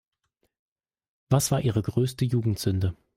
Was war Ihre größte Jugendsünde?